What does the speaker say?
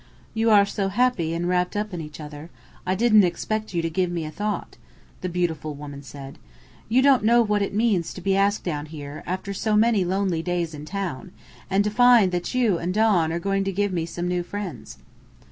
"You are so happy and wrapped up in each other, I didn't expect you to give a thought to me," the beautiful woman said. "You don't know what it means to be asked down here, after so many lonely days in town, and to find that you and Don are going to give me some new friends."